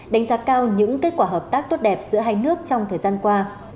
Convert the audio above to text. đánh giá cao những kết quả hợp tác tốt đẹp giữa hai nước trong thời gian qua